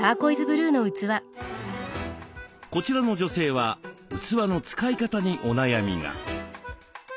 こちらの女性は器の使い方にお悩みが。